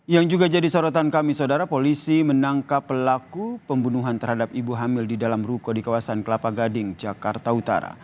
yang juga jadi sorotan kami saudara polisi menangkap pelaku pembunuhan terhadap ibu hamil di dalam ruko di kawasan kelapa gading jakarta utara